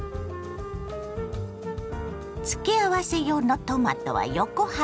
付け合わせ用のトマトは横半分に。